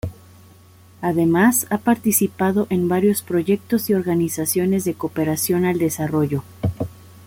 Además, ha participado en varios proyectos y organizaciones de Cooperación al Desarrollo.